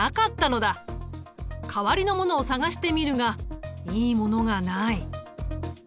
代わりのものを探してみるがいいものがない。